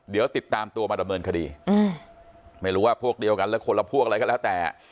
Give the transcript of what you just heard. เดี๋ยวติดตามตัวมาดำเนินคดีไม่รู้ว่าพวกเดียวกันและคนละพวกอะไรก็แล้วแต่